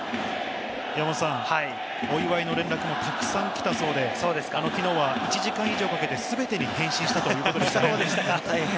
お祝いの連絡もたくさん来たそうで、きのうは１時間以上かけて全てに返信したということです。